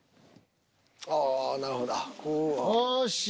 あなるほど！よし！